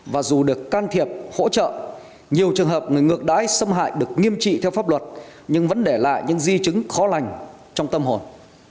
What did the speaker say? và dù được can thiệp hỗ trợ nhiều trường hợp người ngược đáy xâm hại được nghiêm trị theo pháp luật nhưng vẫn để lại những di chứng khó lành trong tâm hồn